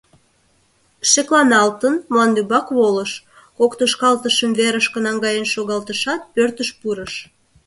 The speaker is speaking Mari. Шекланалтын, мландӱмбак волыш, кок тошкалтышым верышке наҥгаен шогалтышат, пӧртыш пурыш.